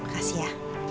terima kasih ya